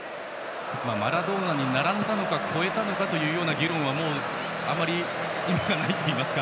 マラドーナに並んだのか、超えたのかという議論はもう、あまり意味がないといいますか。